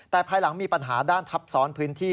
แต่ภายหลังมีปัญหาด้านทับซ้อนพื้นที่